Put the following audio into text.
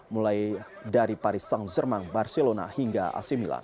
mulai dari paris saint germain barcelona hingga ac milan